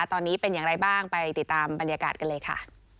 ตอนนี้เป็นอย่างไรบ้างไปติดตามบรรยากาศกันเลยค่ะ